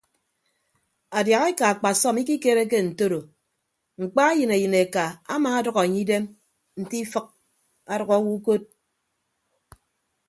Adiahaeka akpasọm ikikereke ntoro mkpa eyịn eyịneka amaadʌk enye idem nte ifịk adʌk awo ukod.